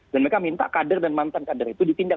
dan mereka minta kader dan mantan kader itu dipindah